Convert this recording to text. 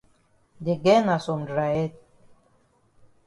De girl na some dry head.